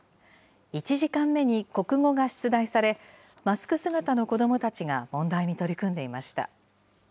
１時間目に国語が出題され、マスク姿の子どもたちが問題に取り組んでいました。